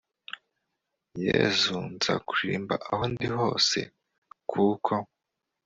yezu nzakuririmba aho ndi hose, kuko